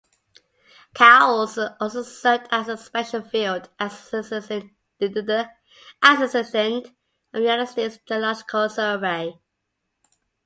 Cowles also served as a special field assistant of the United States Geological Survey.